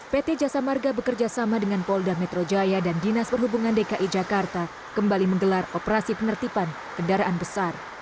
pt jasa marga bekerja sama dengan polda metro jaya dan dinas perhubungan dki jakarta kembali menggelar operasi penertiban kendaraan besar